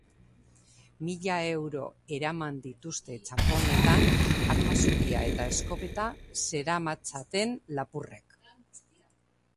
Mila euro eraman dituzte txanponetan, arma zuria eta eskopeta zeramatzaten lapurrek.